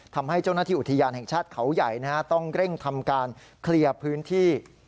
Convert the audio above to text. ทำให้เจ้าหน้าที่อุทยานแห่งชาติเขาใหญ่ต้องเร่งทำการเคลียร์พื้นที่